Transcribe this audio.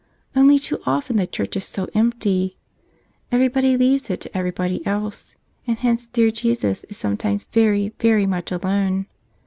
Only too often the church is so empty ! Everybody leaves it to every¬ body else, and hence dear Jesus is sometimes very, very much alone.